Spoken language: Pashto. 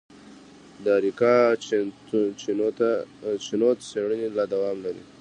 د اریکا چینوت څېړنې لا دوام لري.